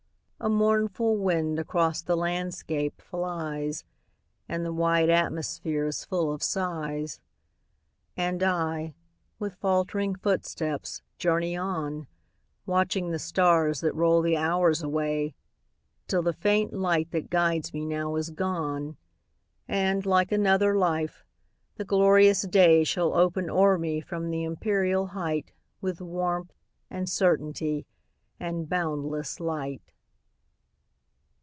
A mournful wind across the landscape flies, And the wide atmosphere is full of sighs. And I, with faltering footsteps, journey on, Watching the stars that roll the hours away, Till the faint light that guides me now is gone, And, like another life, the glorious day Shall open o'er me from the empyreal height, With warmth, and certainty, and boundless light.